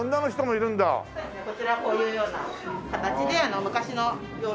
こちらこういうような形で昔の様子が。